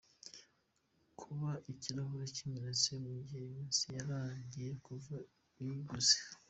Kuba ikirahuri kimenetse mu gihe iminsi yarangiye kuva uyiguze.